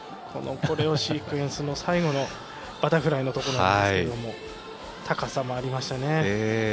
コレオシークエンス最後のバタフライのところですが高さもありましたね。